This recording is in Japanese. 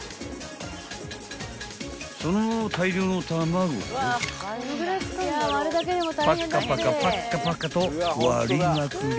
［その大量の卵をパッカパカパッカパカと割りまくり］